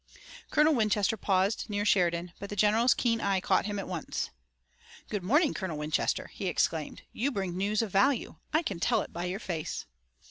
Colonel Winchester paused near Sheridan, but the general's keen eye caught him at once. "Good morning, Colonel Winchester!" he exclaimed. "You bring news of value. I can tell it by your face!"